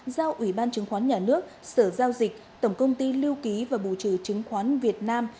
giao ủy ban chứng khoán nhà nước sở giao dịch tổng công ty lưu ký và bù trừ chứng khoán việt nam